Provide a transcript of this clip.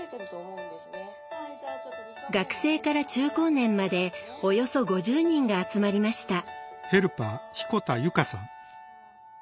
学生から中高年までおよそ５０人が集まりました。